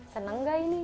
senang enggak ini